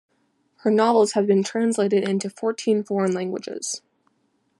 Her novels have been translated into fourteen foreign languages.